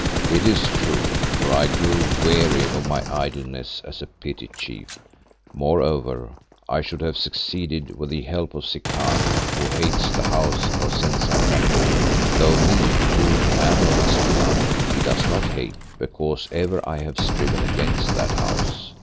It is true, for I grew weary of my idleness as a petty chief. Moreover, I should have succeeded with the help of Zikali, who hates the House of Senzangacona, though me, who am of its blood, he does not hate, because ever I have striven against that House.